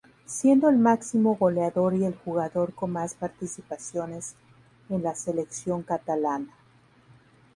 Siendo el máximo goleador y el jugador con más participaciones en la selección catalana.